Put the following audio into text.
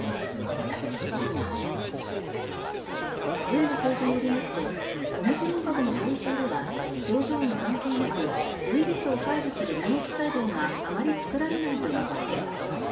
上野教授によりますとオミクロン株の後遺症では症状に関係なくウイルスを排除する免疫細胞があまり作られないということです。